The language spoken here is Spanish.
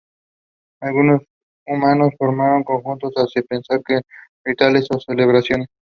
Algunos humanos formando conjuntos hace pensar en rituales o celebraciones.